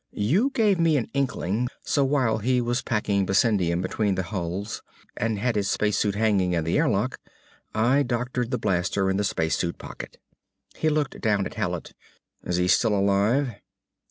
You gave me an inkling, so while he was packing bessendium between the hulls, and had his space suit hanging in the airlock, I doctored the blaster in the space suit pocket." He looked down at Hallet. "Is he still alive?"